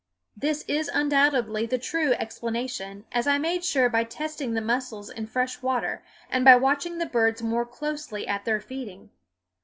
This is undoubtedly the true explanation, as I made sure by testing the mussels in fresh water and by watching the birds more closely at their feeding.